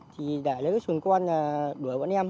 thì để lấy cái thuyền con đuổi bọn em